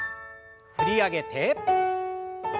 振り上げて。